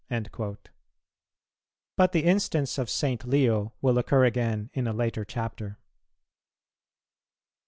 "[162:4] But the instance of St. Leo will occur again in a later Chapter.